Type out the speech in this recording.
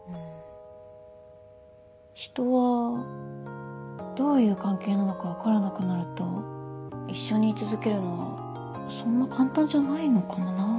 人はどういう関係なのか分からなくなると一緒に居続けるのはそんな簡単じゃないのかもなぁ。